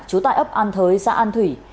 trú tại ấp an thới xã an thủy